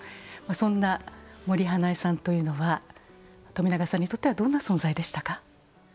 そんな森英恵さんというのは冨永さんにとってはどんな存在でしたか？